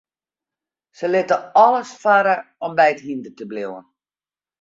Se litte alles farre om by it hynder te bliuwen.